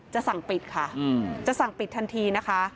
จะสั่งปิดค่ะจะสั่งปิดทันทีนะคะ